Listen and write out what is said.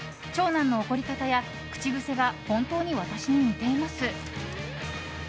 長男の怒り方や口癖が本当に私に似ています。